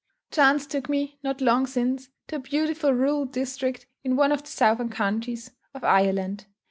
Chance took me, not long since, to a beautiful rural district in one of the southern counties of Ireland.